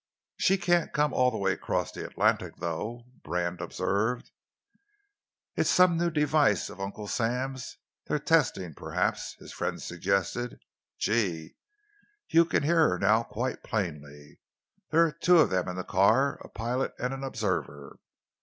"She can't come all the way across the Atlantic, though," Brand observed. "It's some new device of Uncle Sam's they are testing, perhaps," his friend suggested. "Gee! You can hear her now quite plainly. There are two of them in the car a pilot and an observer.